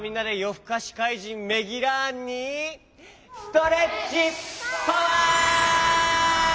ふかしかいじんメギラーンにストレッチパワー！